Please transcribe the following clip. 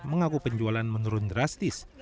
mengaku penjualan menurun drastis